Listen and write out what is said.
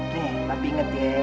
nih mbah inget ya